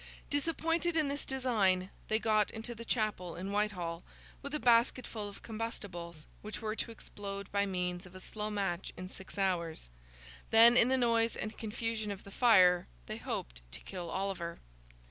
Disappointed in this design, they got into the chapel in Whitehall, with a basketful of combustibles, which were to explode by means of a slow match in six hours; then, in the noise and confusion of the fire, they hoped to kill Oliver.